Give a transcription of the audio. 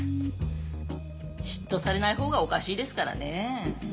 嫉妬されないほうがおかしいですからねえ。